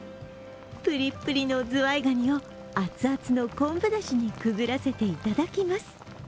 プリプリのずわいがにを熱々の昆布だしにくぐらせていただきます。